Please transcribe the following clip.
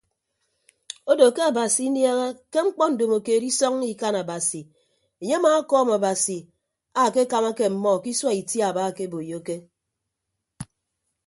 Odo ke abasi iniehe ke mkpọ ndomokeed isọññọ ikan abasi enye amaakọọm abasi akekamake ọmmọ ke isua itiaba akeboiyoke.